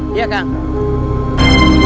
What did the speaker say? saya ke quarantine di